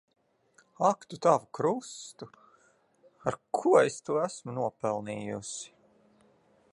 Ak tu tavu krustu! Ar ko es to esmu nopelnījusi.